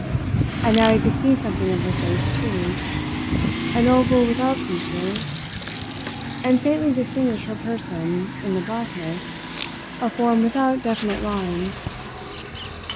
And now he could see something of her face, too an oval without features and faintly distinguish her person, in the blackness, a form without definite lines.